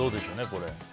これ。